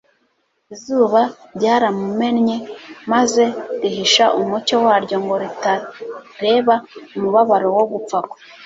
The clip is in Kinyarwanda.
Izuba ryaramumenye maze rihisha umucyo waryo ngo ritareba umubabaro wo gupfa kwe.